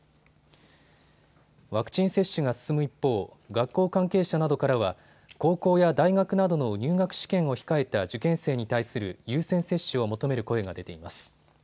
ワクチン接種が進む一方、学校関係者などからは高校や大学などの入学試験を控えた受験生に対する優先接種を求める声が出ています。